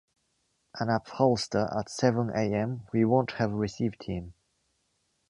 An upholster! At seven am! We won’t have received him!